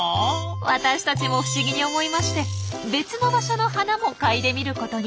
私たちも不思議に思いまして別の場所の花も嗅いでみることに。